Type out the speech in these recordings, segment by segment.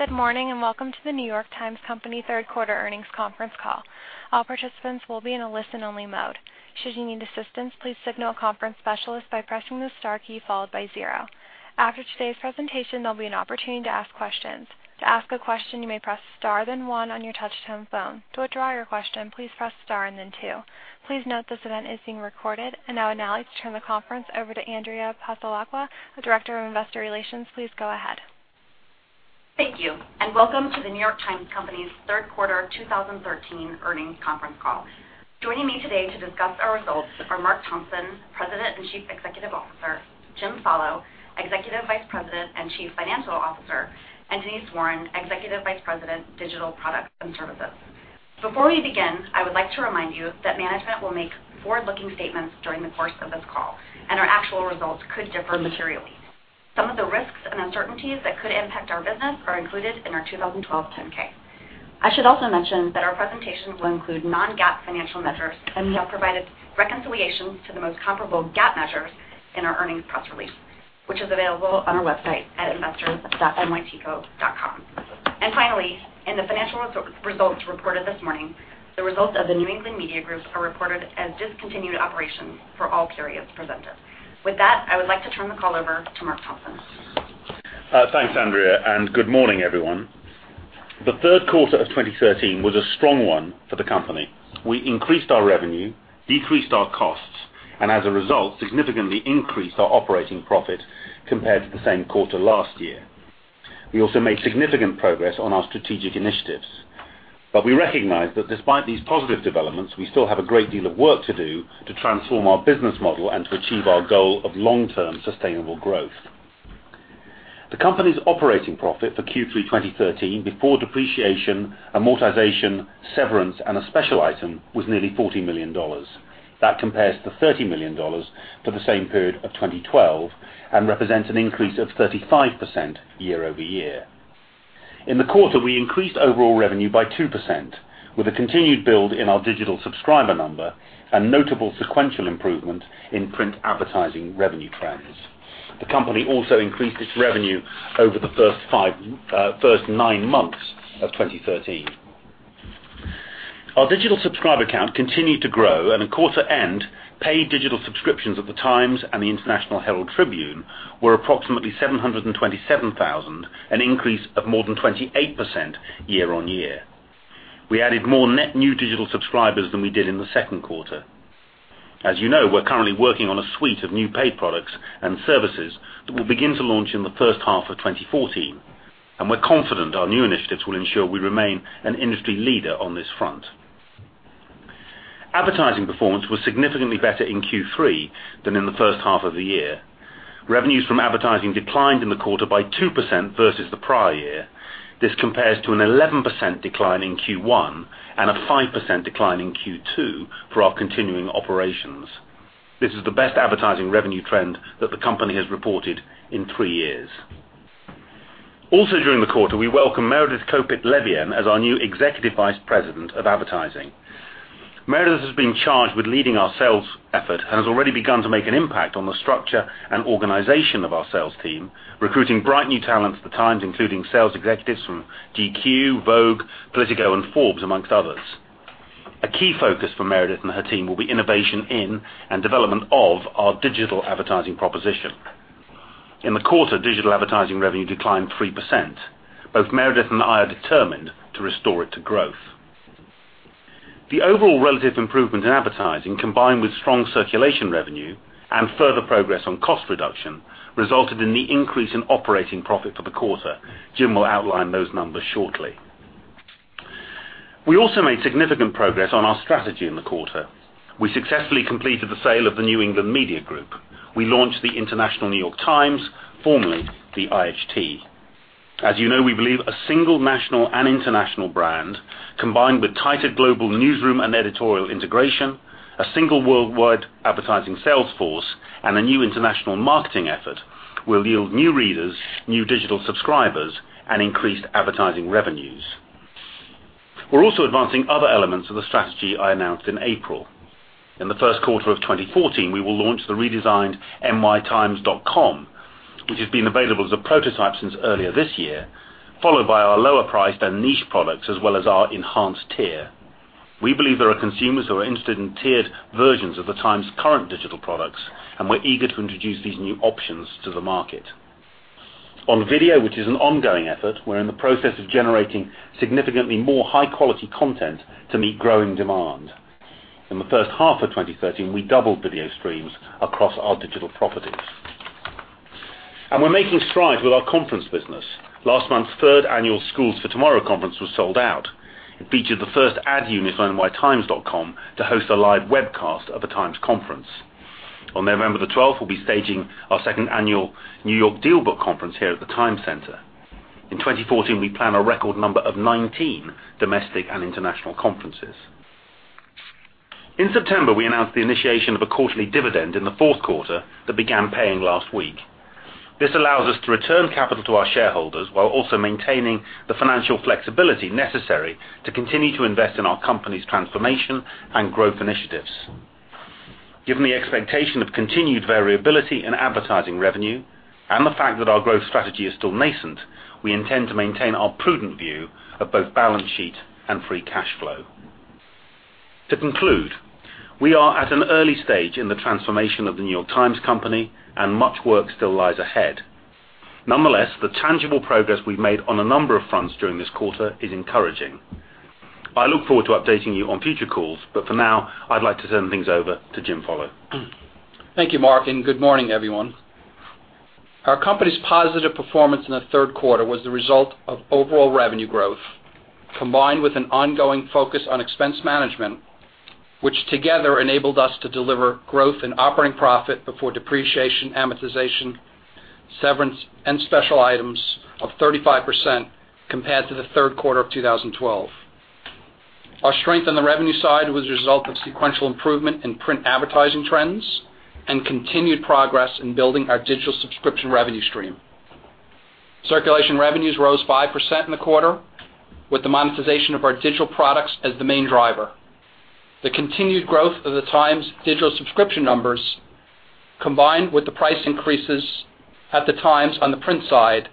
Good morning, and welcome to The New York Times Company third quarter earnings conference call. All participants will be in a listen-only mode. Should you need assistance, please signal a conference specialist by pressing the star key followed by zero. After today's presentation, there'll be an opportunity to ask questions. To ask a question, you may press star, then one on your touch-tone phone. To withdraw your question, please press star and then two. Please note this event is being recorded. Now I'd like to turn the conference over to Andrea Passalacqua, Director of Investor Relations. Please go ahead. Thank you, and welcome to The New York Times Company's third quarter 2013 earnings conference call. Joining me today to discuss our results are Mark Thompson, President and Chief Executive Officer, James Follo, Executive Vice President and Chief Financial Officer, and Denise Warren, Executive Vice President, Digital Products and Services. Before we begin, I would like to remind you that management will make forward-looking statements during the course of this call, and our actual results could differ materially. Some of the risks and uncertainties that could impact our business are included in our 2012 10-K. I should also mention that our presentations will include non-GAAP financial measures, and we have provided reconciliations to the most comparable GAAP measures in our earnings press release, which is available on our website at investors.nytco.com. Finally, in the financial results reported this morning, the results of the New England Media Group are reported as discontinued operations for all periods presented. With that, I would like to turn the call over to Mark Thompson. Thanks, Andrea, and good morning, everyone. The third quarter of 2013 was a strong one for the company. We increased our revenue, decreased our costs, and as a result, significantly increased our operating profit compared to the same quarter last year. We also made significant progress on our strategic initiatives. We recognize that despite these positive developments, we still have a great deal of work to do to transform our business model and to achieve our goal of long-term sustainable growth. The company's operating profit for Q3 2013, before depreciation, amortization, severance, and a special item, was nearly $40 million. That compares to $30 million for the same period of 2012 and represents an increase of 35% year-over-year. In the quarter, we increased overall revenue by 2% with a continued build in our digital subscriber number and notable sequential improvement in print advertising revenue trends. The company also increased its revenue over the first nine months of 2013. Our digital subscriber count continued to grow, and at quarter end, paid digital subscriptions at The Times and the International Herald Tribune were approximately 727,000, an increase of more than 28% year-over-year. We added more net new digital subscribers than we did in the second quarter. As you know, we're currently working on a suite of new paid products and services that we'll begin to launch in the first half of 2014, and we're confident our new initiatives will ensure we remain an industry leader on this front. Advertising performance was significantly better in Q3 than in the first half of the year. Revenues from advertising declined in the quarter by 2% versus the prior year. This compares to an 11% decline in Q1 and a 5% decline in Q2 for our continuing operations. This is the best advertising revenue trend that the company has reported in three years. Also, during the quarter, we welcomed Meredith Kopit Levien as our new Executive Vice President of Advertising. Meredith has been charged with leading our sales effort and has already begun to make an impact on the structure and organization of our sales team, recruiting bright new talents at The Times, including sales executives from GQ, Vogue, Politico, and Forbes, among others. A key focus for Meredith and her team will be innovation in and development of our digital advertising proposition. In the quarter, digital advertising revenue declined 3%. Both Meredith and I are determined to restore it to growth. The overall relative improvement in advertising, combined with strong circulation revenue and further progress on cost reduction, resulted in the increase in operating profit for the quarter. James will outline those numbers shortly. We also made significant progress on our strategy in the quarter. We successfully completed the sale of the New England Media Group. We launched the International New York Times, formerly the IHT. As you know, we believe a single national and international brand, combined with tighter global newsroom and editorial integration, a single worldwide advertising sales force, and a new international marketing effort will yield new readers, new digital subscribers, and increased advertising revenues. We're also advancing other elements of the strategy I announced in April. In the first quarter of 2014, we will launch the redesigned nytimes.com, which has been available as a prototype since earlier this year, followed by our lower priced and niche products, as well as our enhanced tier. We believe there are consumers who are interested in tiered versions of The Times' current digital products, and we're eager to introduce these new options to the market. On video, which is an ongoing effort, we're in the process of generating significantly more high-quality content to meet growing demand. In the first half of 2013, we doubled video streams across our digital properties. We're making strides with our conference business. Last month's third annual Schools for Tomorrow conference was sold out. It featured the first ad unit on nytimes.com to host a live webcast of a Times conference. On November the 12th, we'll be staging our second annual New York DealBook conference here at the Times Center. In 2014, we plan a record number of 19 domestic and international conferences. In September, we announced the initiation of a quarterly dividend in the fourth quarter that began paying last week. This allows us to return capital to our shareholders while also maintaining the financial flexibility necessary to continue to invest in our company's transformation and growth initiatives. Given the expectation of continued variability in advertising revenue and the fact that our growth strategy is still nascent, we intend to maintain our prudent view of both balance sheet and free cash flow. To conclude, we are at an early stage in the transformation of The New York Times Company, and much work still lies ahead. Nonetheless, the tangible progress we've made on a number of fronts during this quarter is encouraging. I look forward to updating you on future calls, but for now, I'd like to turn things over to James Follo. Thank you, Mark, and good morning, everyone. Our company's positive performance in the third quarter was the result of overall revenue growth, combined with an ongoing focus on expense management, which together enabled us to deliver growth in operating profit before depreciation, amortization, severance, and special items of 35% compared to the third quarter of 2012. Our strength on the revenue side was a result of sequential improvement in print advertising trends and continued progress in building our digital subscription revenue stream. Circulation revenues rose 5% in the quarter, with the monetization of our digital products as the main driver. The continued growth of the Times' digital subscription numbers, combined with the price increases at the Times on the print side,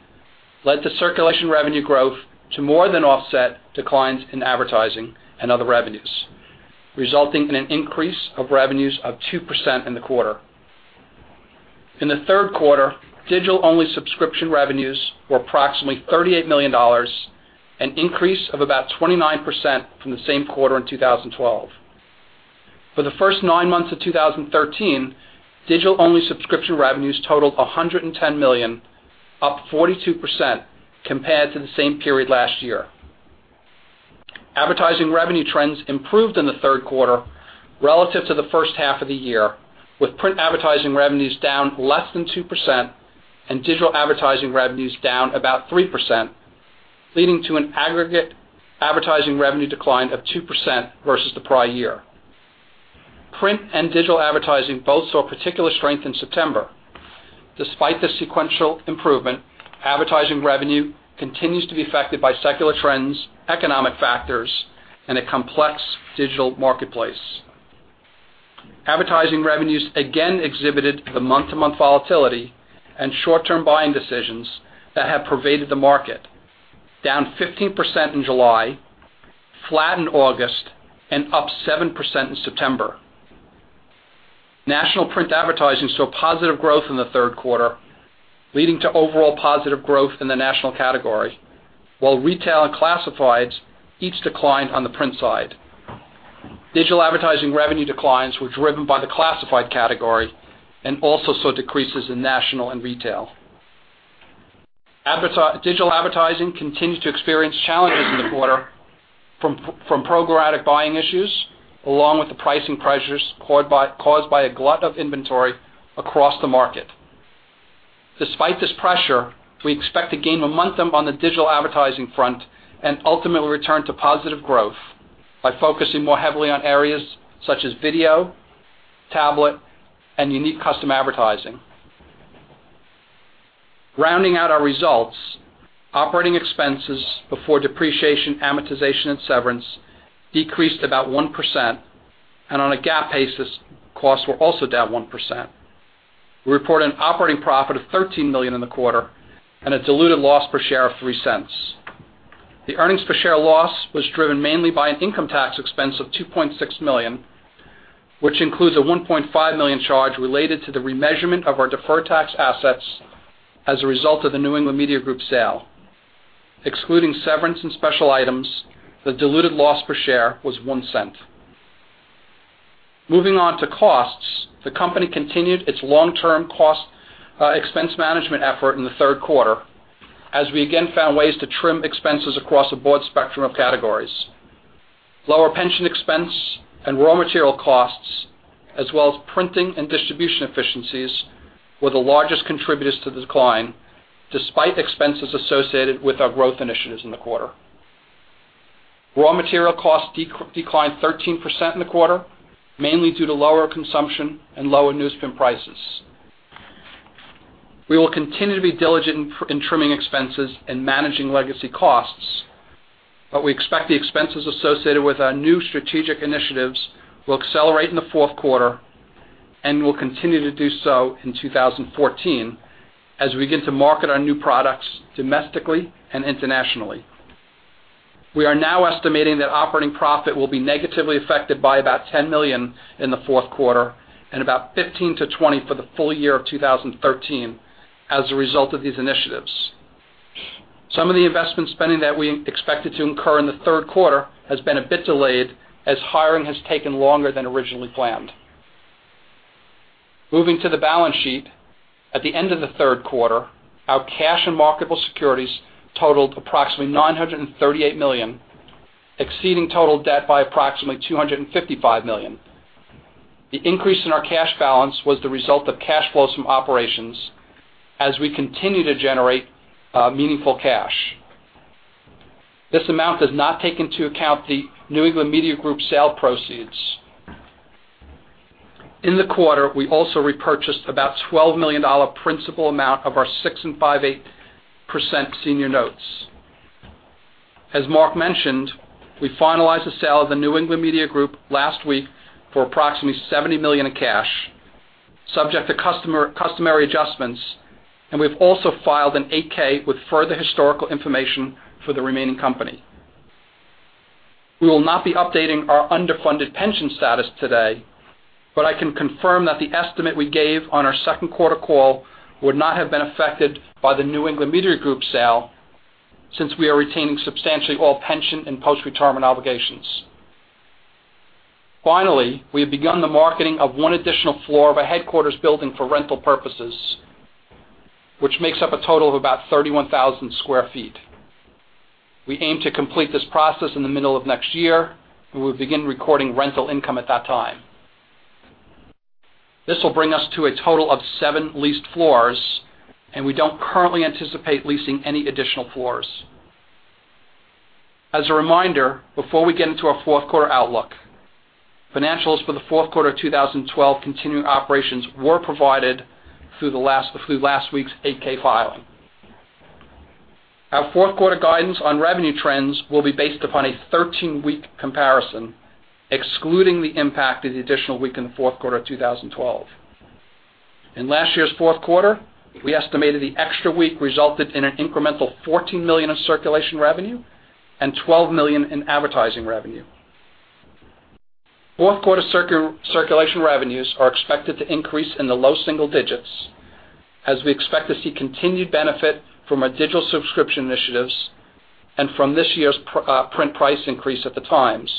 led to circulation revenue growth to more than offset declines in advertising and other revenues, resulting in an increase of revenues of 2% in the quarter. In the third quarter, digital-only subscription revenues were approximately $38 million, an increase of about 29% from the same quarter in 2012. For the first nine months of 2013, digital-only subscription revenues totaled $110 million, up 42% compared to the same period last year. Advertising revenue trends improved in the third quarter relative to the first half of the year, with print advertising revenues down less than 2% and digital advertising revenues down about 3%, leading to an aggregate advertising revenue decline of 2% versus the prior year. Print and digital advertising both saw particular strength in September. Despite the sequential improvement, advertising revenue continues to be affected by secular trends, economic factors, and a complex digital marketplace. Advertising revenues again exhibited the month-to-month volatility and short-term buying decisions that have pervaded the market, down 15% in July, flat in August, and up 7% in September. National print advertising saw positive growth in the third quarter, leading to overall positive growth in the national category, while retail and classifieds each declined on the print side. Digital advertising revenue declines were driven by the classified category and also saw decreases in national and retail. Digital advertising continued to experience challenges in the quarter from programmatic buying issues, along with the pricing pressures caused by a glut of inventory across the market. Despite this pressure, we expect to gain momentum on the digital advertising front and ultimately return to positive growth by focusing more heavily on areas such as video, tablet, and unique custom advertising. Rounding out our results, operating expenses before depreciation, amortization, and severance decreased about 1%, and on a GAAP basis, costs were also down 1%. We report an operating profit of $13 million in the quarter and a diluted loss per share of $0.03. The earnings per share loss was driven mainly by an income tax expense of $2.6 million, which includes a $1.5 million charge related to the remeasurement of our deferred tax assets as a result of the New England Media Group sale. Excluding severance and special items, the diluted loss per share was $0.01. Moving on to costs, the company continued its long-term cost expense management effort in the third quarter as we again found ways to trim expenses across a broad spectrum of categories. Lower pension expense and raw material costs, as well as printing and distribution efficiencies, were the largest contributors to the decline, despite expenses associated with our growth initiatives in the quarter. Raw material costs declined 13% in the quarter, mainly due to lower consumption and lower newsprint prices. We will continue to be diligent in trimming expenses and managing legacy costs, but we expect the expenses associated with our new strategic initiatives will accelerate in the fourth quarter and will continue to do so in 2014 as we begin to market our new products domestically and internationally. We are now estimating that operating profit will be negatively affected by about $10 million in the fourth quarter and about $15 million-$20 million for the full year of 2013 as a result of these initiatives. Some of the investment spending that we expected to incur in the third quarter has been a bit delayed, as hiring has taken longer than originally planned. Moving to the balance sheet, at the end of the third quarter, our cash and marketable securities totaled approximately $938 million, exceeding total debt by approximately $255 million. The increase in our cash balance was the result of cash flows from operations as we continue to generate meaningful cash. This amount does not take into account the New England Media Group sale proceeds. In the quarter, we also repurchased about a $12 million principal amount of our 6 and 5/8% senior notes. As Mark mentioned, we finalized the sale of the New England Media Group last week for approximately $70 million in cash, subject to customary adjustments, and we've also filed an 8-K with further historical information for the remaining company. We will not be updating our underfunded pension status today, but I can confirm that the estimate we gave on our second quarter call would not have been affected by the New England Media Group sale, since we are retaining substantially all pension and post-retirement obligations. Finally, we have begun the marketing of one additional floor of a headquarters building for rental purposes, which makes up a total of about 31,000 sq ft. We aim to complete this process in the middle of next year, and we'll begin recording rental income at that time. This will bring us to a total of seven leased floors, and we don't currently anticipate leasing any additional floors. As a reminder, before we get into our fourth quarter outlook, financials for the fourth quarter 2012 continuing operations were provided through last week's 8-K file. Our fourth quarter guidance on revenue trends will be based upon a 13-week comparison, excluding the impact of the additional week in the fourth quarter of 2012. In last year's fourth quarter, we estimated the extra week resulted in an incremental $14 million of circulation revenue and $12 million in advertising revenue. Fourth quarter circulation revenues are expected to increase in the low single digits%, as we expect to see continued benefit from our digital subscription initiatives and from this year's print price increase at the Times,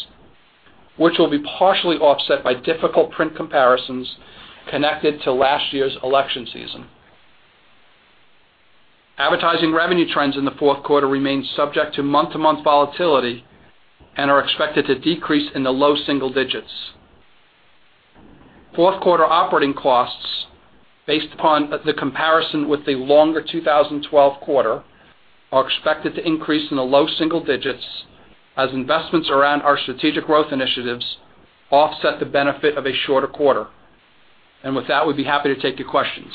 which will be partially offset by difficult print comparisons connected to last year's election season. Advertising revenue trends in the fourth quarter remain subject to month-to-month volatility and are expected to decrease in the low single digits%. Fourth quarter operating costs, based upon the comparison with the longer 2012 quarter, are expected to increase in the low single digits% as investments around our strategic growth initiatives offset the benefit of a shorter quarter. With that, we'd be happy to take your questions.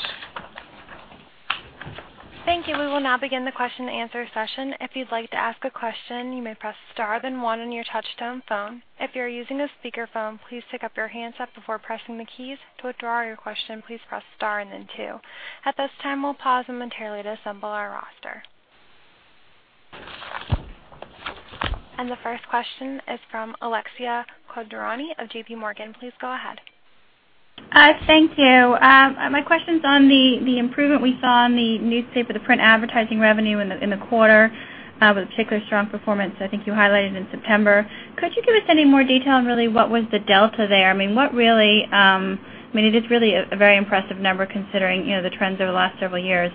Thank you. We will now begin the question and answer session. If you'd like to ask a question, you may press star then one on your touchtone phone. If you're using a speakerphone, please pick up your handset before pressing the keys. To withdraw your question, please press star and then two. At this time, we'll pause momentarily to assemble our roster. The first question is from Alexia Quadrani of JPMorgan. Please go ahead. Hi, thank you. My question's on the improvement we saw in the newspaper, the print advertising revenue in the quarter with a particularly strong performance I think you highlighted in September. Could you give us any more detail on really what was the delta there? It is really a very impressive number considering the trends over the last several years.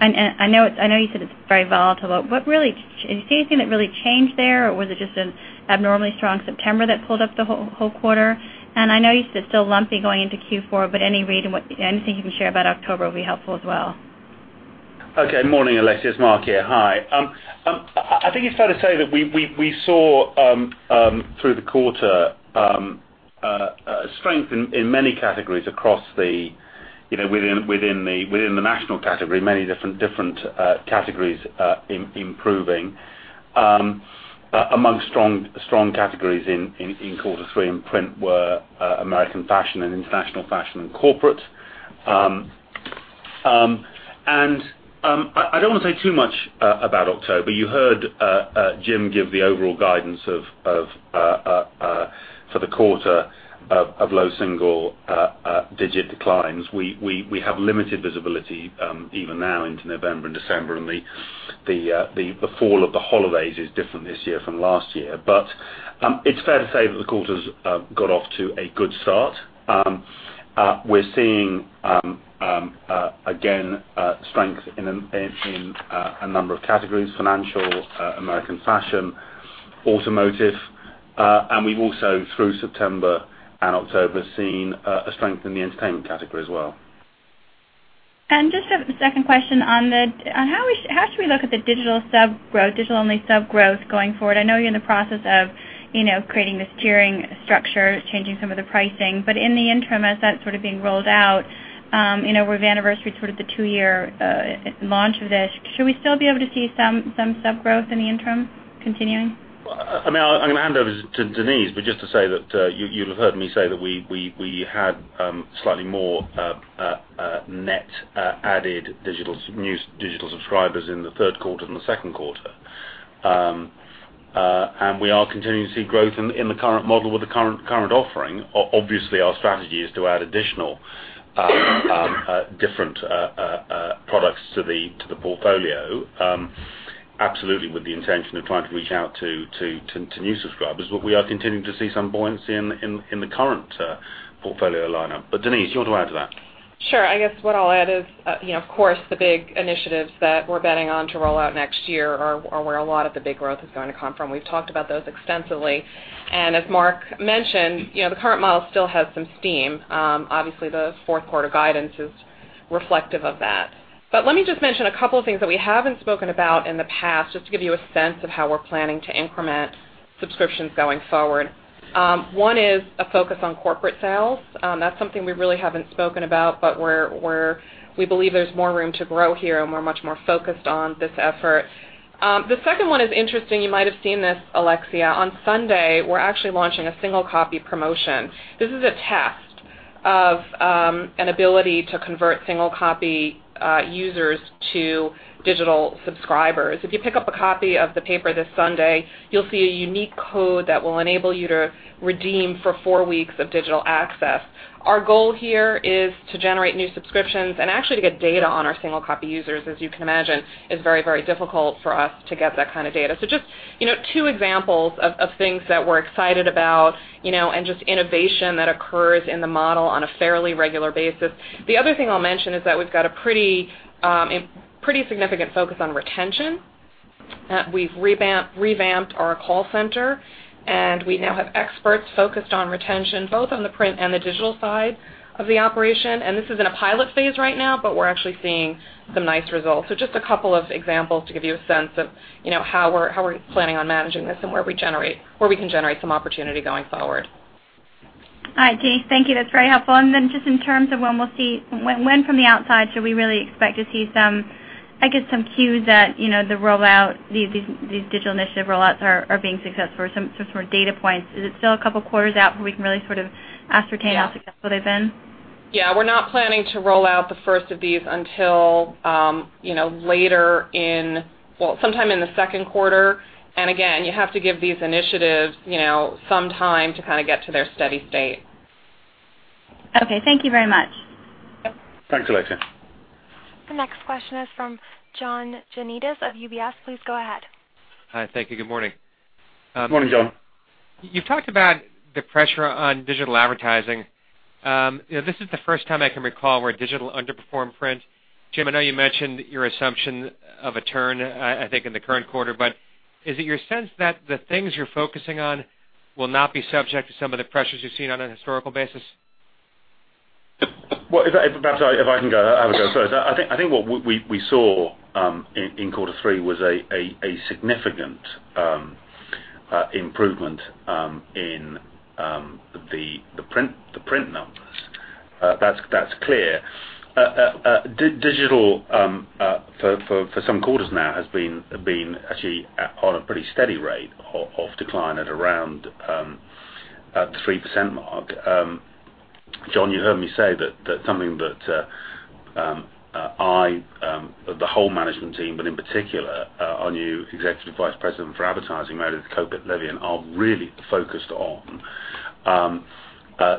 I know you said it's very volatile, but do you see anything that really changed there, or was it just an abnormally strong September that pulled up the whole quarter? I know you said it's still lumpy going into Q4, but anything you can share about October will be helpful as well. Morning, Alexia, it's Mark here. Hi. I think it's fair to say that we saw through the quarter strength in many categories within the national category, many different categories improving. Among strong categories in quarter three in print were American fashion and international fashion and corporate. I don't want to say too much about October. You heard James give the overall guidance for the quarter of low single-digit declines. We have limited visibility even now into November and December, and the fall of the holidays is different this year from last year. It's fair to say that the quarter's got off to a good start. We're seeing, again, strength in a number of categories, financial, American fashion, automotive. We've also, through September and October, seen a strength in the entertainment category as well. Just a second question on how should we look at the digital-only sub growth going forward? I know you're in the process of creating this tiering structure, changing some of the pricing. But in the interim, as that's sort of being rolled out, with anniversary sort of the two-year launch of this, should we still be able to see some sub growth in the interim continuing? I'm going to hand over to Denise, but just to say that you'll have heard me say that we had slightly more net added new digital subscribers in the third quarter than the second quarter. We are continuing to see growth in the current model with the current offering. Obviously, our strategy is to add additional different products to the portfolio absolutely with the intention of trying to reach out to new subscribers. We are continuing to see some buoyancy in the current portfolio lineup. Denise, you want to add to that. Sure. I guess what I'll add is, of course, the big initiatives that we're betting on to roll out next year are where a lot of the big growth is going to come from. We've talked about those extensively. As Mark mentioned, the current model still has some steam. Obviously, the fourth quarter guidance is reflective of that. Let me just mention a couple of things that we haven't spoken about in the past, just to give you a sense of how we're planning to increment subscriptions going forward. One is a focus on corporate sales. That's something we really haven't spoken about, but we believe there's more room to grow here, and we're much more focused on this effort. The second one is interesting. You might have seen this, Alexia. On Sunday, we're actually launching a single copy promotion. This is a test of an ability to convert single copy users to digital subscribers. If you pick up a copy of the paper this Sunday, you'll see a unique code that will enable you to redeem for four weeks of digital access. Our goal here is to generate new subscriptions and actually to get data on our single copy users. As you can imagine, it's very difficult for us to get that kind of data. Just two examples of things that we're excited about, and just innovation that occurs in the model on a fairly regular basis. The other thing I'll mention is that we've got a pretty significant focus on retention. We've revamped our call center, and we now have experts focused on retention, both on the print and the digital side of the operation. This is in a pilot phase right now, but we're actually seeing some nice results. Just a couple of examples to give you a sense of how we're planning on managing this and where we can generate some opportunity going forward. All right, Denise, thank you. That's very helpful. Then just in terms of when from the outside should we really expect to see some, I guess, some cues that these digital initiative roll-outs are being successful or some sort of data points. Is it still a couple of quarters out where we can really sort of ascertain. Yeah. How successful they've been? Yeah, we're not planning to roll out the first of these until sometime in the second quarter. Again, you have to give these initiatives some time to kind of get to their steady state. Okay, thank you very much. Yep. Thanks, Alexia. The next question is from John Janedis of UBS. Please go ahead. Hi. Thank you. Good morning. Good morning, John. You've talked about the pressure on digital advertising. This is the first time I can recall where digital underperformed print. James, I know you mentioned your assumption of a turn, I think, in the current quarter. Is it your sense that the things you're focusing on will not be subject to some of the pressures you've seen on a historical basis? Well, if I can go, I would go first. I think what we saw in quarter three was a significant improvement in the print numbers. That's clear. Digital, for some quarters now, has been actually on a pretty steady rate of decline at around the 3% mark. John, you heard me say that something that I, the whole management team, but in particular, our new Executive Vice President for Advertising, Meredith Kopit Levien, are really focused on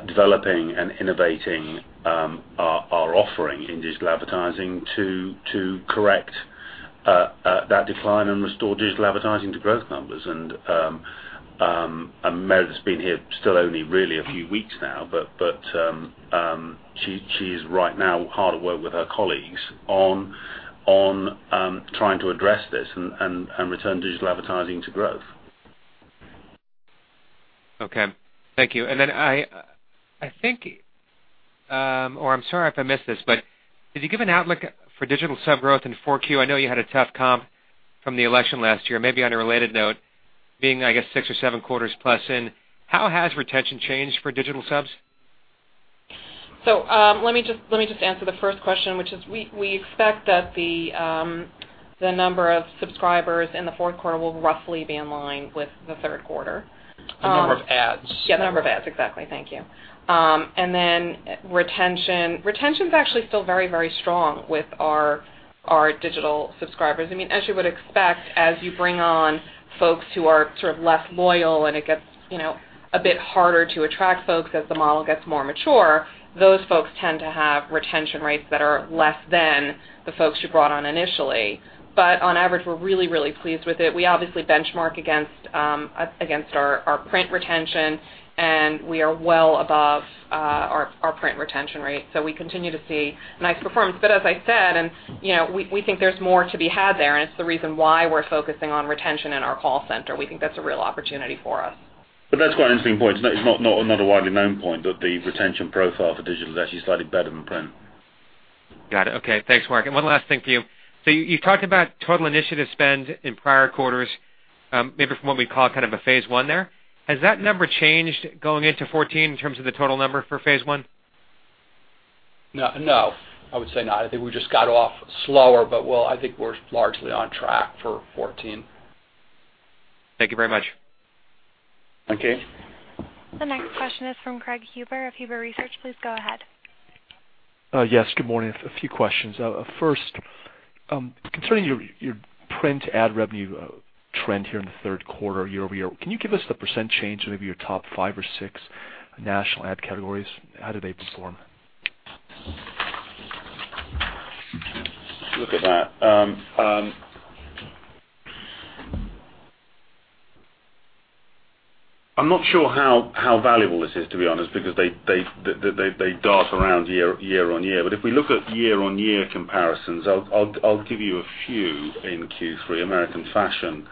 developing and innovating our offering in digital advertising to correct that decline and restore digital advertising to growth numbers. Meredith's been here still only really a few weeks now, but she's right now hard at work with her colleagues on trying to address this and return digital advertising to growth. Okay. Thank you. I think or I'm sorry if I missed this, but did you give an outlook for digital sub growth in Q4? I know you had a tough comp from the election last year. Maybe on a related note, being, I guess, 6 or 7 quarters plus in, how has retention changed for digital subs? Let me just answer the first question, which is we expect that the number of subscribers in the fourth quarter will roughly be in line with the third quarter. The number of adds. Yeah, the number of adds. Exactly. Thank you. Retention. Retention is actually still very strong with our digital subscribers. As you would expect, as you bring on folks who are sort of less loyal and it gets a bit harder to attract folks as the model gets more mature, those folks tend to have retention rates that are less than the folks you brought on initially. On average, we're really pleased with it. We obviously benchmark against our print retention, and we are well above our print retention rate. We continue to see nice performance. As I said, we think there's more to be had there, and it's the reason why we're focusing on retention in our call center. We think that's a real opportunity for us. That's quite an interesting point. It's not a widely known point that the retention profile for digital is actually slightly better than print. Got it. Okay. Thanks, Mark. One last thing for you. You talked about total initiative spend in prior quarters, maybe from what we call kind of a phase one there. Has that number changed going into 2014 in terms of the total number for phase one? No. I would say not. I think we just got off slower, but I think we're largely on track for 2014. Thank you very much. Okay. The next question is from Craig Huber of Huber Research. Please go ahead. Yes, good morning. A few questions. First, concerning your print ad revenue trend here in the third quarter year-over-year, can you give us the percent change in maybe your top five or six national ad categories? How did they perform? Look at that. I'm not sure how valuable this is, to be honest, because they dart around year-on-year. If we look at year-on-year comparisons, I'll give you a few in Q3. American fashion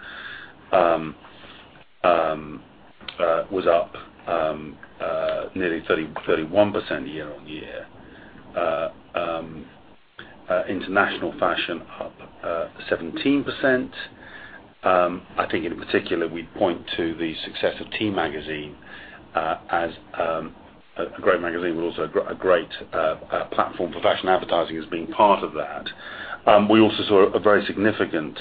was up nearly 31% year-on-year. International fashion up 17%. I think in particular, we'd point to the success of T Magazine as a great magazine, but also a great platform for fashion advertising as being part of that. We also saw a very significant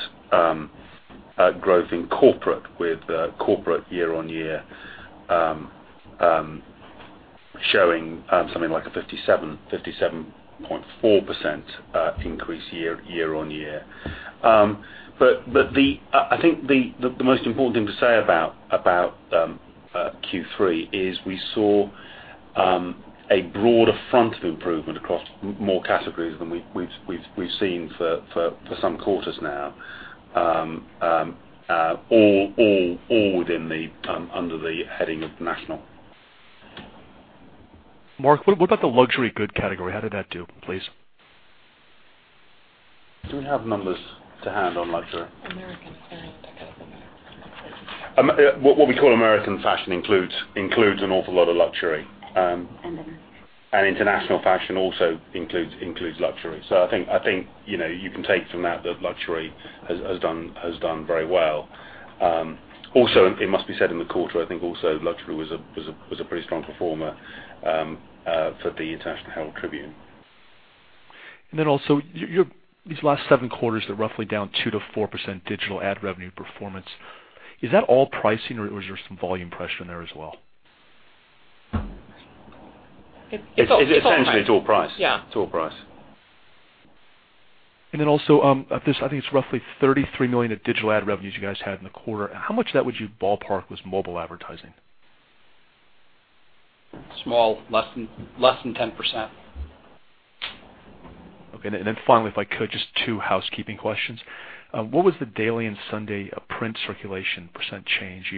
growth in corporate, with corporate year-on-year showing something like a 57.4% increase year-on-year. I think the most important thing to say about Q3 is we saw a broader front of improvement across more categories than we've seen for some quarters now, all within under the heading of national. Mark, what about the luxury good category? How did that do, please? Do we have numbers to hand on luxury? American fashion category. What we call American fashion includes an awful lot of luxury. International. International fashion also includes luxury. I think you can take from that luxury has done very well. Also, it must be said in the quarter, I think also luxury was a pretty strong performer for the International Herald Tribune. These last 7 quarters, they're roughly down 2%-4% digital ad revenue performance. Is that all pricing or is there some volume pressure in there as well? Essentially, it's all price. Yeah. It's all price. Also, I think it's roughly $33 million of digital ad revenues you guys had in the quarter. How much of that would you ballpark was mobile advertising? Small. Less than 10%. Okay. Finally, if I could, just two housekeeping questions. What was the daily and Sunday print circulation percent change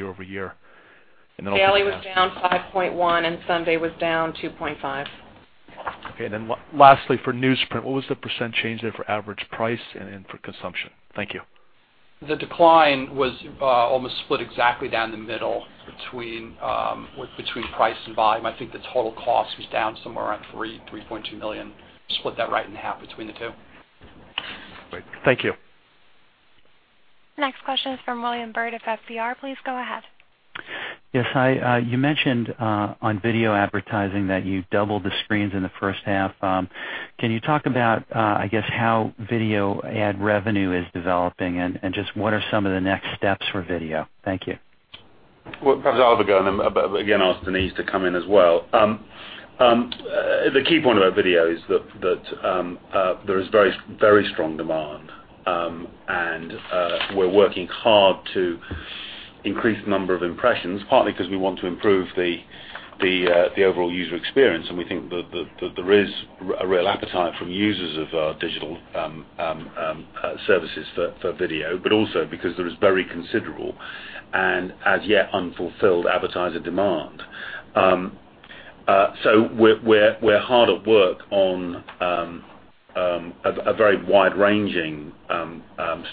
year-over-year? I'll- Daily was down 5.1%, and Sunday was down 2.5%. Okay, and then lastly, for newsprint, what was the percent change there for average price and then for consumption? Thank you. The decline was almost split exactly down the middle between price and volume. I think the total cost was down somewhere around $3.2 million. Split that right in half between the two. Great. Thank you. Next question is from William Bird of FBR. Please go ahead. Yes. Hi, you mentioned on video advertising that you doubled the screens in the first half. Can you talk about, I guess, how video ad revenue is developing and just what are some of the next steps for video? Thank you. Well, perhaps I'll have a go and then, again, ask Denise to come in as well. The key point about video is that there is very strong demand. We're working hard to increase the number of impressions, partly because we want to improve the overall user experience, and we think that there is a real appetite from users of our digital services for video. Also because there is very considerable and as yet unfulfilled advertiser demand. We're hard at work on a very wide-ranging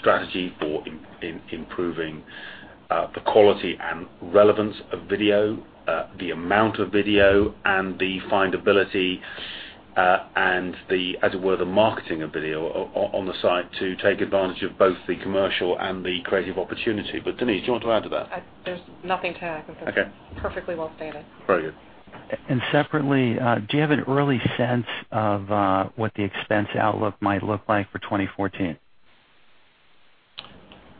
strategy for improving the quality and relevance of video, the amount of video, and the findability, and the, as it were, the marketing of video on the site to take advantage of both the commercial and the creative opportunity. Denise, do you want to add to that? There's nothing to add. Okay. I think that's perfectly well stated. Very good. Separately, do you have an early sense of what the expense outlook might look like for 2014?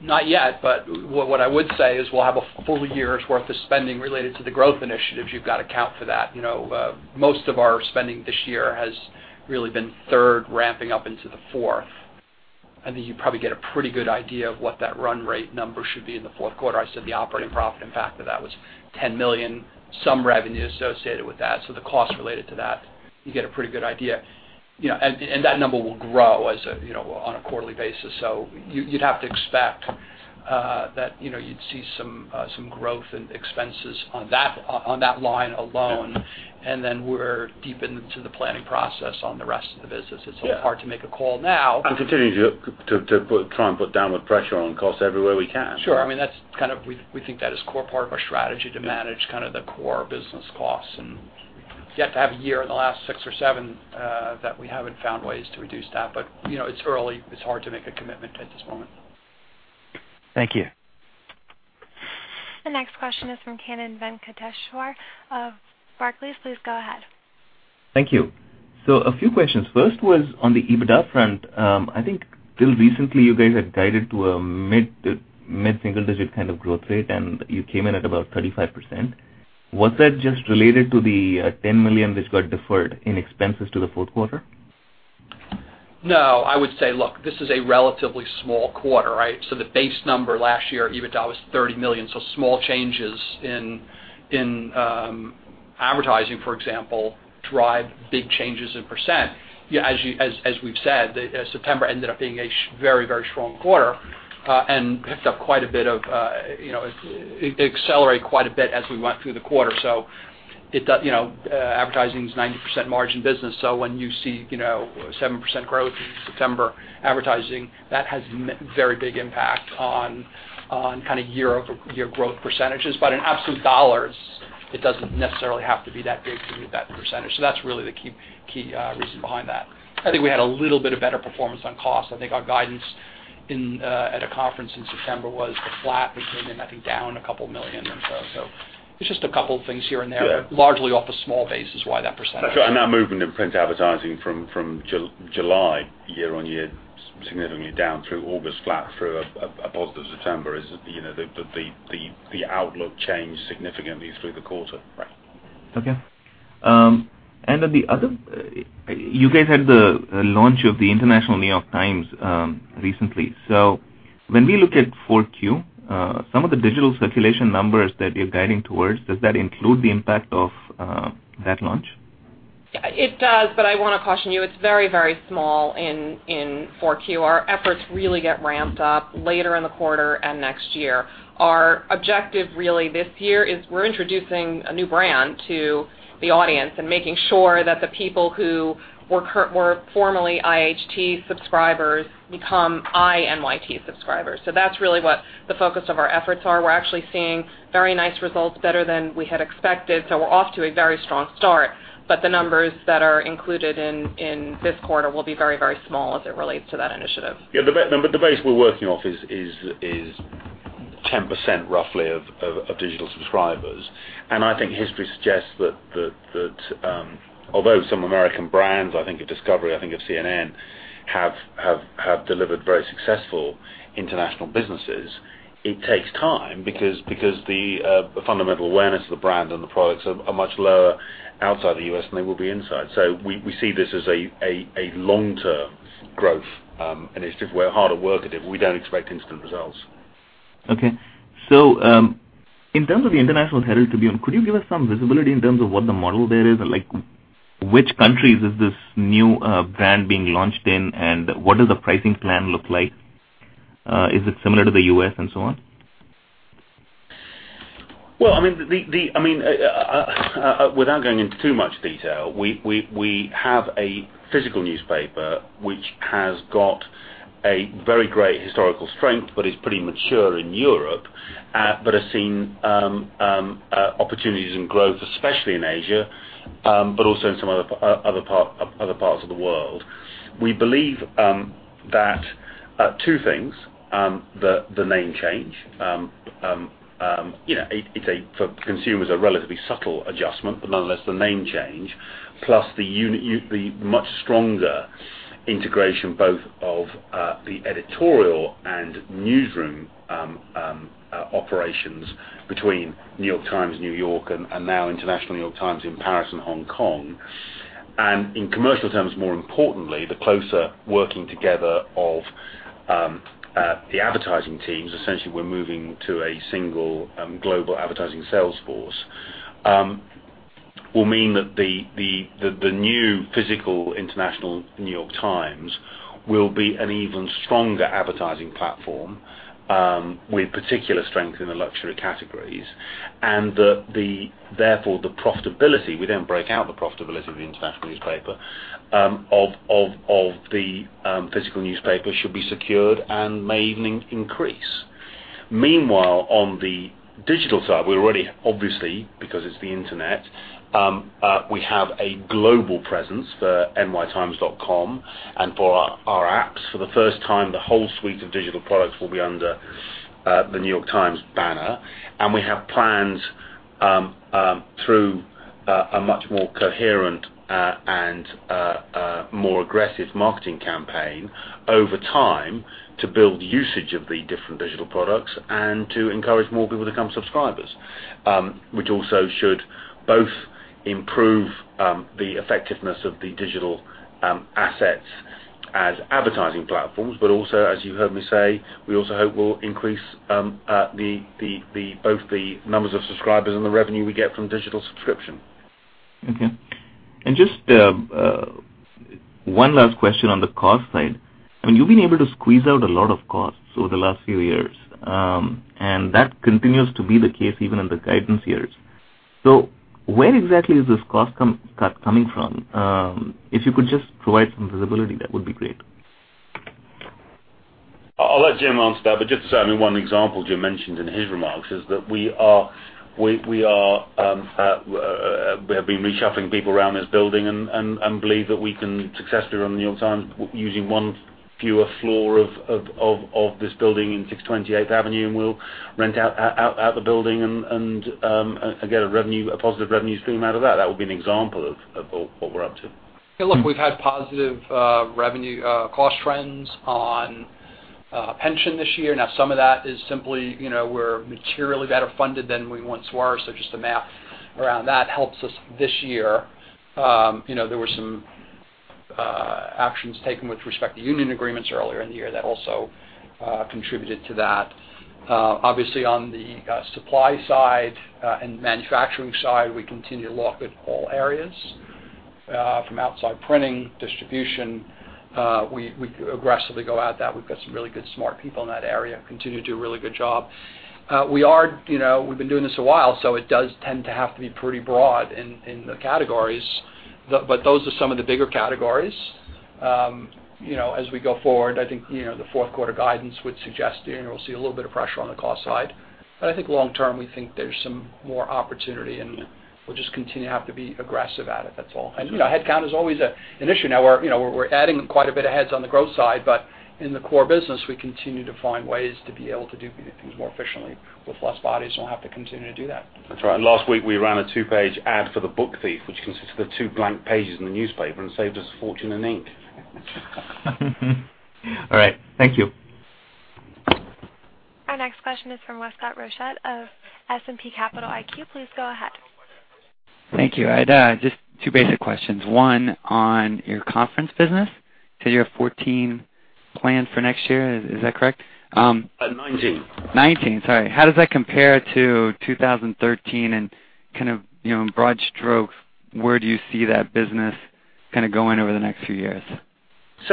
Not yet, but what I would say is we'll have a full year's worth of spending related to the growth initiatives. You've got to account for that. Most of our spending this year has really been in the third quarter ramping up into the fourth quarter. I think you'd probably get a pretty good idea of what that run rate number should be in the fourth quarter. I said the operating profit impact of that was $10 million, some revenue associated with that. The cost related to that, you get a pretty good idea. That number will grow on a quarterly basis. You'd have to expect that you'd see some growth in expenses on that line alone. Yeah. We're deep into the planning process on the rest of the business. Yeah. It's hard to make a call now. Continuing to try and put downward pressure on costs everywhere we can. Sure. We think that is core part of our strategy to manage kind of the core business costs, and yet to have a year in the last six or seven that we haven't found ways to reduce that. It's early. It's hard to make a commitment at this moment. Thank you. The next question is from Kannan Venkateshwar of Barclays. Please go ahead. Thank you. A few questions. First was on the EBITDA front. I think till recently, you guys had guided to a mid-single digit kind of growth rate, and you came in at about 35%. Was that just related to the $10 million that got deferred in expenses to the fourth quarter? No, I would say, look, this is a relatively small quarter, right? The base number last year, EBITDA was $30 million. Small changes in advertising, for example, drive big changes in %. As we've said, September ended up being a very strong quarter. It accelerated quite a bit as we went through the quarter. Advertising is a 90% margin business. When you see 7% growth in September advertising, that has very big impact on kind of year-over-year growth percentages. In absolute dollars, it doesn't necessarily have to be that big to meet that percentage. That's really the key reason behind that. I think we had a little bit of better performance on cost. I think our guidance in at a conference in September was flat, which came in, I think, down $2 million and so. It's just a couple things here and there. Yeah. Largely off a small base is why that percentage. That movement in print advertising from July year-on-year, significantly down through August, flat through a positive September. Is the outlook changed significantly through the quarter? Right. Okay. Then the other, you guys had the launch of the International New York Times recently. When we look at 4Q, some of the digital circulation numbers that you're guiding towards, does that include the impact of that launch? It does, but I want to caution you, it's very, very small in 4Q. Our efforts really get ramped up later in the quarter and next year. Our objective really this year is we're introducing a new brand to the audience and making sure that the people who were formerly IHT subscribers become INYT subscribers. That's really what the focus of our efforts are. We're actually seeing very nice results, better than we had expected. We're off to a very strong start. The numbers that are included in this quarter will be very, very small as it relates to that initiative. Yeah, the base we're working off is 10% roughly of digital subscribers. I think history suggests that although some American brands, I think of Discovery, I think of CNN, have delivered very successful international businesses, it takes time because the fundamental awareness of the brand and the products are much lower outside the U.S. than they will be inside. We see this as a long-term growth, and it's just we're hard at work at it. We don't expect instant results. Okay. In terms of the International Herald Tribune, could you give us some visibility in terms of what the model there is? Like, which countries is this new brand being launched in, and what does the pricing plan look like? Is it similar to the U.S. and so on? Well, without going into too much detail, we have a physical newspaper, which has got a very great historical strength but is pretty mature in Europe, but has seen opportunities and growth, especially in Asia, but also in some other parts of the world. We believe that two things, the name change, it's a, for consumers, a relatively subtle adjustment, but nonetheless, the name change, plus the much stronger integration, both of the editorial and newsroom operations between The New York Times, New York, and now International New York Times in Paris and Hong Kong. In commercial terms, more importantly, the closer working together of the advertising teams, essentially, we're moving to a single global advertising sales force, will mean that the new physical International New York Times will be an even stronger advertising platform with particular strength in the luxury categories. Therefore, the profitability, we don't break out the profitability of the international newspaper, of the physical newspaper should be secured and may even increase. Meanwhile, on the digital side, we're already obviously, because it's the internet, we have a global presence for nytimes.com and for our apps. For the first time, the whole suite of digital products will be under the New York Times banner. We have plans through a much more coherent and more aggressive marketing campaign over time to build usage of the different digital products and to encourage more people to become subscribers, which also should both improve the effectiveness of the digital assets as advertising platforms, but also, as you heard me say, we also hope will increase both the numbers of subscribers and the revenue we get from digital subscription. Okay. Just one last question on the cost side. You've been able to squeeze out a lot of costs over the last few years, and that continues to be the case even in the guidance years. Where exactly is this cost cut coming from? If you could just provide some visibility, that would be great. I'll let James answer that, but just to say, one example James mentioned in his remarks is that we have been reshuffling people around this building and believe that we can successfully run The New York Times using one fewer floor of this building in 620 Eighth Avenue, and we'll rent out the building and get a positive revenue stream out of that. That would be an example of what we're up to. Look, we've had positive revenue cost trends on pension this year. Now, some of that is simply we're materially better funded than we once were, so just the math around that helps us this year. There were some actions taken with respect to union agreements earlier in the year that also contributed to that. Obviously, on the supply side and manufacturing side, we continue to look at all areas. From outside printing, distribution, we aggressively go at that. We've got some really good, smart people in that area, continue to do a really good job. We've been doing this a while, so it does tend to have to be pretty broad in the categories. But those are some of the bigger categories. As we go forward, I think the fourth quarter guidance would suggest we'll see a little bit of pressure on the cost side. I think long-term, we think there's some more opportunity, and we'll just continue to have to be aggressive at it, that's all. Headcount is always an issue. Now we're adding quite a bit of heads on the growth side, but in the core business, we continue to find ways to be able to do things more efficiently with less bodies, and we'll have to continue to do that. That's right. Last week, we ran a two-page ad for "The Book Thief," which consists of the two blank pages in the newspaper and saved us a fortune in ink. All right. Thank you. Our next question is from Westcott Rochette of S&P Capital IQ. Please go ahead. Thank you. I had just two basic questions. One on your conference business, so you have 14 planned for next year, is that correct? 19. 19, sorry. How does that compare to 2013 and kind of in broad strokes, where do you see that business kind of going over the next few years?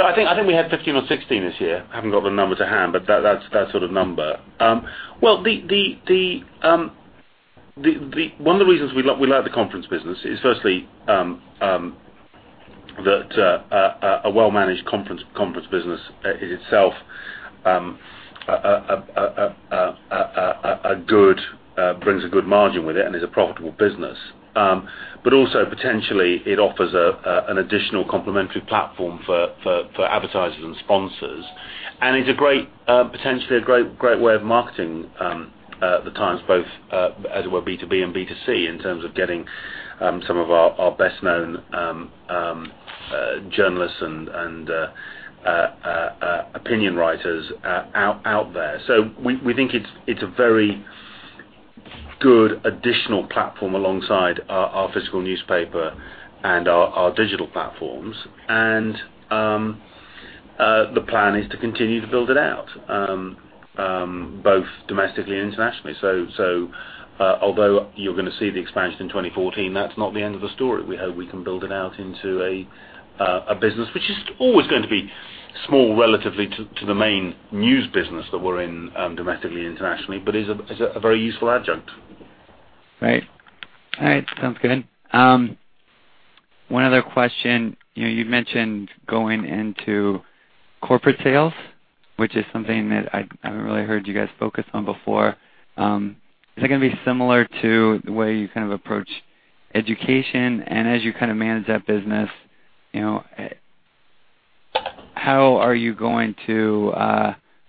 I think we had 15 or 16 this year. I haven't got the number to hand, but that sort of number. Well, one of the reasons we like the conference business is firstly that a well-managed conference business in itself brings a good margin with it and is a profitable business. Also potentially it offers an additional complementary platform for advertisers and sponsors. It's potentially a great way of marketing the Times, both as it were B2B and B2C in terms of getting some of our best-known journalists and opinion writers out there. We think it's a very good additional platform alongside our physical newspaper and our digital platforms. The plan is to continue to build it out both domestically and internationally. Although you're going to see the expansion in 2014, that's not the end of the story. We hope we can build it out into a business, which is always going to be small relative to the main news business that we're in domestically, internationally, but is a very useful adjunct. Right. All right. Sounds good. One other question. You mentioned going into corporate sales, which is something that I haven't really heard you guys focus on before. Is it going to be similar to the way you kind of approach education? As you kind of manage that business, how are you going to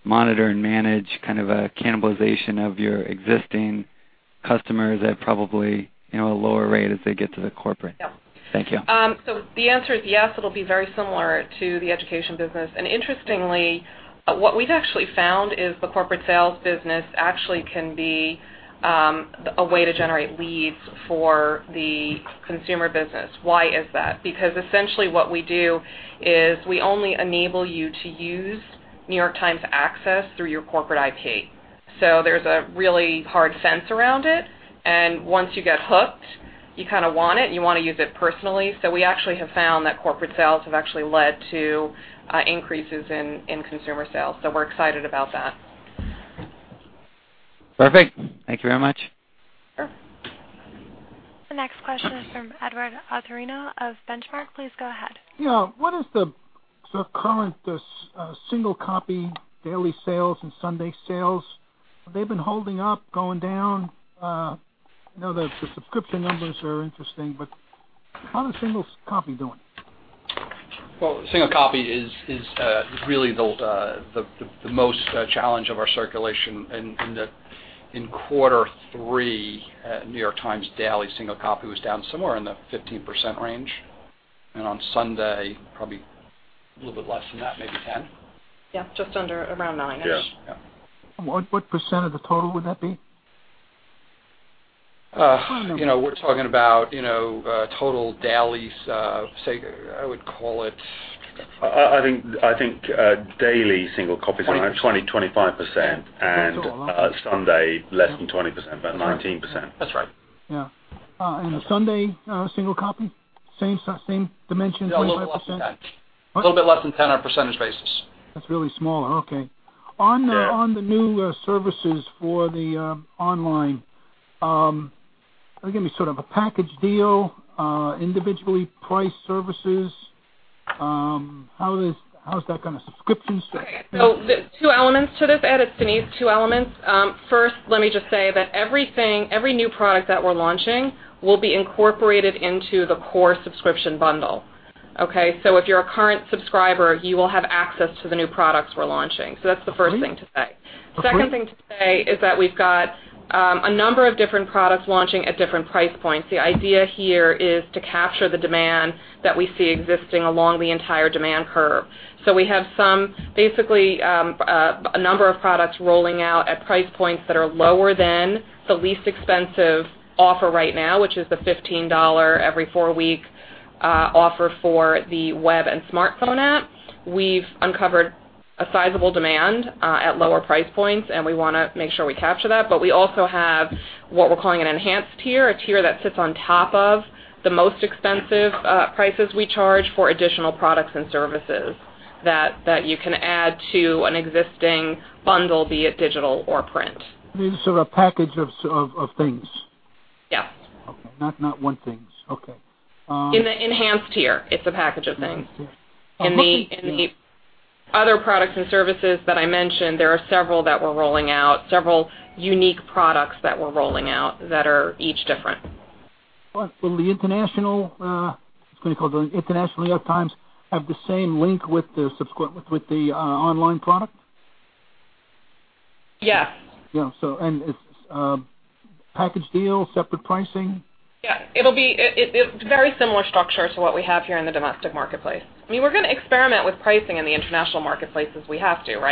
monitor and manage kind of a cannibalization of your existing customers at probably a lower rate as they get to the corporate? Yeah. Thank you. The answer is yes, it'll be very similar to the education business. Interestingly, what we've actually found is the corporate sales business actually can be a way to generate leads for the consumer business. Why is that? Because essentially what we do is we only enable you to use New York Times access through your corporate IP. There's a really hard sense around it, and once you get hooked, you kind of want it, and you want to use it personally. We actually have found that corporate sales have actually led to increases in consumer sales, so we're excited about that. Perfect. Thank you very much. Sure. The next question is from Edward Atorino of Benchmark. Please go ahead. Yeah. What is the current single copy daily sales and Sunday sales? Have they been holding up, going down? I know that the subscription numbers are interesting, but how is single copy doing? Well, single copy is really the most challenge of our circulation in that in quarter three, New York Times daily single copy was down somewhere in the 15% range. On Sunday, probably a little bit less than that, maybe 10%. Yeah, just under around 9-ish. Yeah. What percent of the total would that be? We're talking about total dailies, say, I would call it. I think daily single copy is around 20%-25%. That's a lot. Sunday, less than 20%, about 19%. That's right. Yeah. The Sunday single copy, same dimension, 25%? Yeah, a little bit less than that. What? A little bit less than 10%. That's really small. Okay. Yeah. On the new services for the online, are they going to be sort of a package deal, individually priced services? How is that kind of subscription set up? There's two elements to this, Ed. It's Denise. Two elements. First, let me just say that every new product that we're launching will be incorporated into the core subscription bundle, okay? If you're a current subscriber, you will have access to the new products we're launching. That's the first thing to say. Okay. Second thing to say is that we've got a number of different products launching at different price points. The idea here is to capture the demand that we see existing along the entire demand curve. We have basically a number of products rolling out at price points that are lower than the least expensive offer right now, which is the $15 every four weeks offer for the web and smartphone app. We've uncovered a sizable demand at lower price points, and we want to make sure we capture that. We also have what we're calling an enhanced tier, a tier that sits on top of the most expensive prices we charge for additional products and services that you can add to an existing bundle, be it digital or print. These are a package of things. Yeah. Not one thing. Okay. In the enhanced tier, it's a package of things. Yeah. In the other products and services that I mentioned, there are several that we're rolling out, several unique products that we're rolling out that are each different. Will the International New York Times have the same link with the online product? Yes. Yeah. It's package deal, separate pricing? Yeah. It's very similar structure to what we have here in the domestic marketplace. We're going to experiment with pricing in the international marketplace as we have to.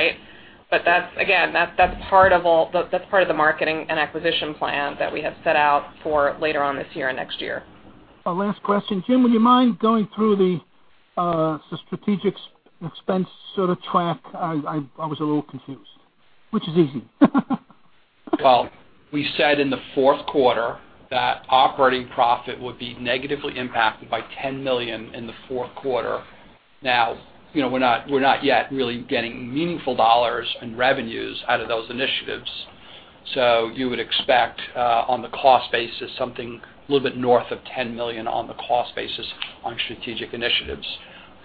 Again, that's part of the marketing and acquisition plan that we have set out for later on this year and next year. Last question. James, would you mind going through the strategic expense sort of track? I was a little confused, which is easy. Well, we said in the fourth quarter that operating profit would be negatively impacted by $10 million in the fourth quarter. Now, we're not yet really getting meaningful dollars in revenues out of those initiatives. You would expect, on the cost basis, something a little bit north of $10 million on the cost basis on strategic initiatives.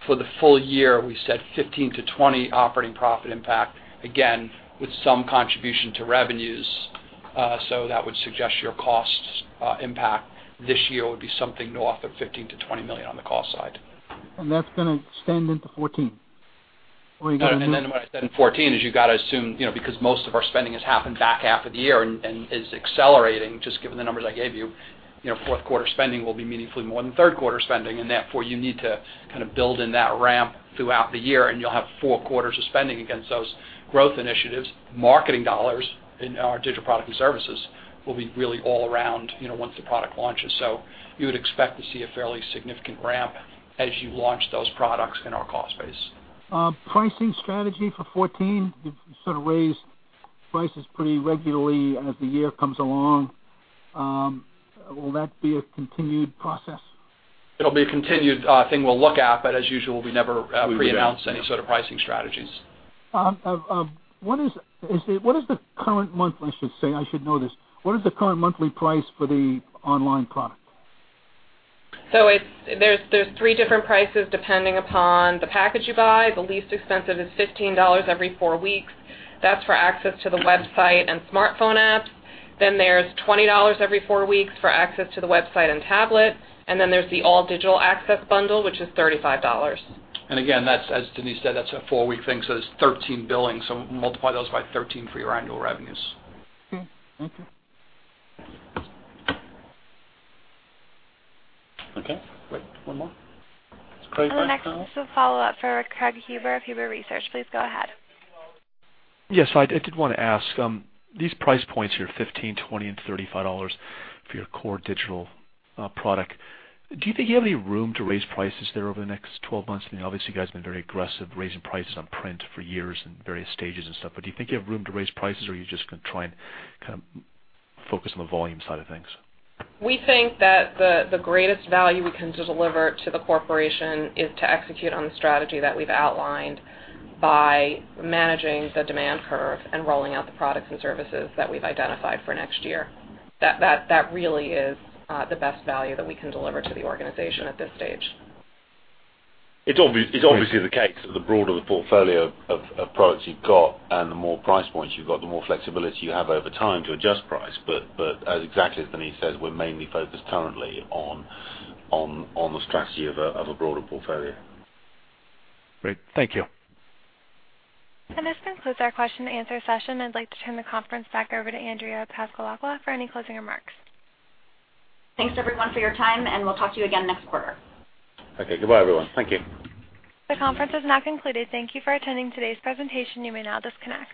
For the full year, we said 15-20 operating profit impact, again, with some contribution to revenues. That would suggest your costs impact this year would be something north of $15 million-$20 million on the cost side. That's going to extend into 2014? Are you guys- When I said in 2014, is you gotta assume, because most of our spending has happened back half of the year and is accelerating, just given the numbers I gave you, fourth quarter spending will be meaningfully more than third quarter spending. Therefore, you need to build in that ramp throughout the year, and you'll have four quarters of spending against those growth initiatives. Marketing dollars in our digital product and services will be really all around, once the product launches. You would expect to see a fairly significant ramp as you launch those products in our cost base. Pricing strategy for 2014, you've sort of raised prices pretty regularly as the year comes along. Will that be a continued process? It'll be a continued thing we'll look at, but as usual, we never pre-announce any sort of pricing strategies. What is the current monthly price for the online product? There's three different prices depending upon the package you buy. The least expensive is $15 every four weeks. That's for access to the website and smartphone apps. There's $20 every four weeks for access to the website and tablet. There's the all-digital access bundle, which is $35. Again, that's, as Denise said, that's a 4-week thing, so it's 13 billings. Multiply those by 13 for your annual revenues. Okay. One more. Is Craig on the phone? The next is a follow-up for Craig Huber of Huber Research. Please go ahead. Yes. I did want to ask, these price points here, $15, $20, and $35 for your core digital product. Do you think you have any room to raise prices there over the next twelve months? Obviously, you guys have been very aggressive raising prices on print for years in various stages and stuff. Do you think you have room to raise prices, or are you just going to try and kind of focus on the volume side of things? We think that the greatest value we can deliver to the corporation is to execute on the strategy that we've outlined by managing the demand curve and rolling out the products and services that we've identified for next year. That really is the best value that we can deliver to the organization at this stage. It's obviously the case that the broader the portfolio of products you've got and the more price points you've got, the more flexibility you have over time to adjust price. As, exactly as Denise says, we're mainly focused currently on the strategy of a broader portfolio. Great. Thank you. This concludes our question and answer session. I'd like to turn the conference back over to Andrea Passalacqua for any closing remarks. Thanks everyone for your time, and we'll talk to you again next quarter. Okay. Goodbye, everyone. Thank you. The conference is now concluded. Thank you for attending today's presentation. You may now disconnect.